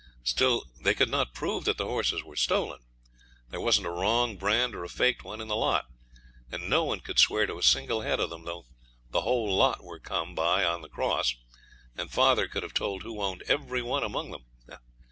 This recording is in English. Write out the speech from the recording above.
Still they could not prove that the horses were stolen. There wasn't a wrong brand or a faked one in the lot. And no one could swear to a single head of them, though the whole lot were come by on the cross, and father could have told who owned every one among them.